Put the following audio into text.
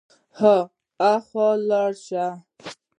هاخوا لاړ شه.